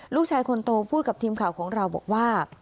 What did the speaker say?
ลูกชายคนโตพูดกับทีมข่าวของเราบอกว่า